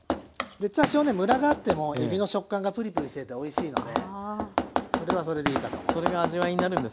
多少ねむらがあってもえびの食感がプリプリしてておいしいのでそれはそれでいいかと思います。